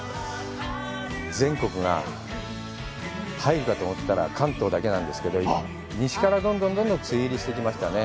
全国が、入るかと思ってたら関東だけなんですけど、西からどんどんどんどん梅雨入りしてきましたね。